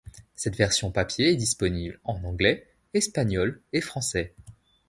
Cette version papier est disponible en anglais, espagnol et français.